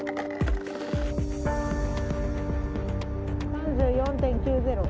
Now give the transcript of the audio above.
３４．９０。